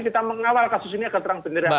kita mengawal kasus ini agar terang beneran